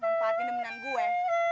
lu sih enak mempahatin demenan gue